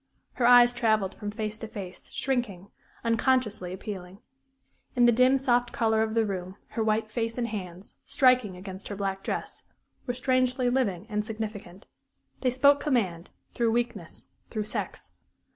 Her eyes travelled from face to face, shrinking unconsciously appealing. In the dim, soft color of the room, her white face and hands, striking against her black dress, were strangely living and significant. They spoke command through weakness, through sex.